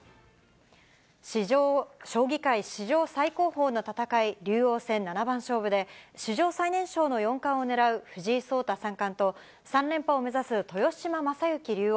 将棋界史上最高峰の戦い、竜王戦七番勝負で、史上最年少の四冠を狙う藤井聡太三冠と、３連覇を目指す豊島将之竜王。